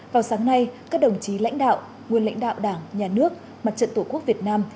vào sáng nay các đồng chí lãnh đạo nguyên lãnh đạo đảng nhà nước mặt trận tổ quốc việt nam